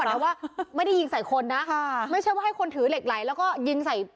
แต่ว่าไม่ได้ยิงใส่คนนะค่ะไม่ใช่ว่าให้คนถือเหล็กไหลแล้วก็ยิงใส่